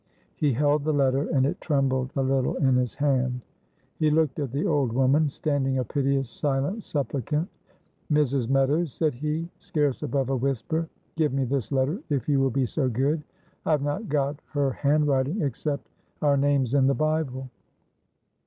He held the letter, and it trembled a little in his hand. He looked at the old woman, standing a piteous, silent supplicant. "Mrs. Meadows," said he, scarce above a whisper, "give me this letter, if you will be so good. I have not got her handwriting, except our names in the Bible."